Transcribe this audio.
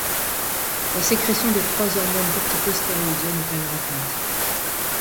La sécrétion des trois hormones corticostéroïdiennes est alors atteinte.